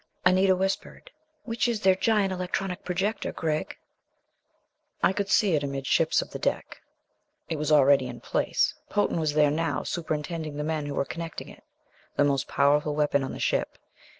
Anita whispered, "Which is their giant electronic projector, Gregg?" I could see it amidships of the deck. It was already in place. Potan was there now, superintending the men who were connecting it. The most powerful weapon on the ship.